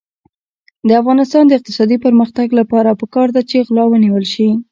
د افغانستان د اقتصادي پرمختګ لپاره پکار ده چې غلا ونیول شي.